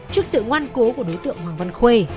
trước sự ngoan cố của đối tượng hoàng văn khuê